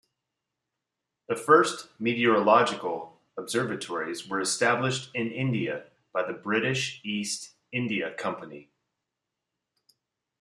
The first meteorological observatories were established in India by the British East India Company.